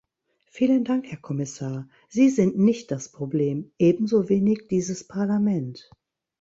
Vielen Dank, Herr Kommissar, Sie sind nicht das Problem, ebenso wenig dieses Parlament.